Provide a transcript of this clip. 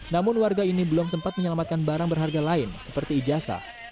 namun warga ini belum sempat menyelamatkan barang berharga lain seperti ijasa